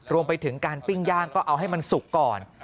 รวมไปถึงการปิ้งย่างก็เอาให้มันสุกก่อน